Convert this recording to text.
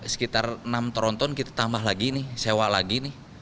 sekitar enam tronton kita tambah lagi ini sewa lagi nih